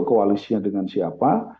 koalisinya dengan siapa